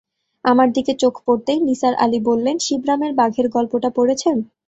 আমার দিকে চোখ পড়তেই নিসার আলি বললেন, শিবরামের বাঘের গল্পটা পড়েছেন?